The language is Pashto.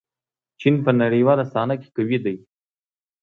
چین په نړیواله صحنه کې قوي دی.